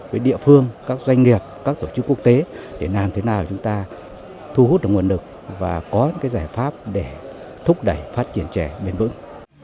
với địa phương các doanh nghiệp các tổ chức quốc tế để làm thế nào chúng ta thu hút được nguồn lực và có những giải pháp để thúc đẩy phát triển trẻ bền vững